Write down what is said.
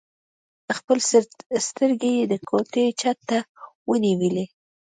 خپلې سترګې يې د کوټې چت ته ونيولې.